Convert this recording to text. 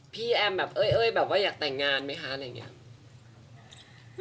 แอมแบบเอ้ยแบบว่าอยากแต่งงานไหมคะอะไรอย่างนี้